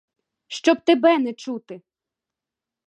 Щоб тебе не чути!